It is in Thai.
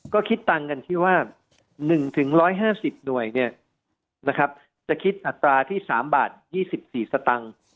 ก็คิดตังกันที่ว่า๑ถึง๑๕๐หน่วยเนี่ยนะครับจะคิดอัตราที่๓บาท๒๔สตังค์